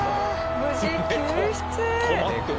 猫困ってる。